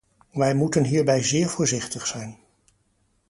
Wij moeten hierbij zeer voorzichtig zijn.